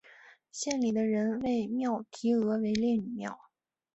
县里的人为庙题额为烈女庙。